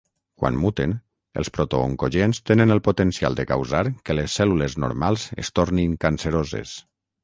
Quan muten, els protooncogens tenen el potencial de causar que les cèl·lules normals es tornin canceroses.